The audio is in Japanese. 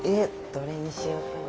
どれにしようかな。